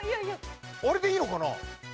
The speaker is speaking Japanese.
あれでいいのかな？